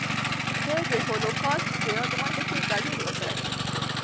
ده د هولوکاسټ د یاد غونډې کې ګډون وکړ.